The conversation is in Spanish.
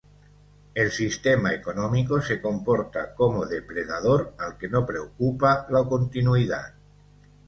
El sistema económico se comporta como depredador al que no preocupa la continuidad".